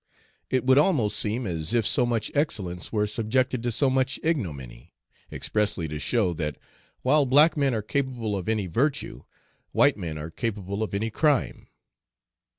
It would almost seem as if so much excellence were subjected to so much ignominy, expressly to show that while black men are capable of any virtue, white men are capable of any crime.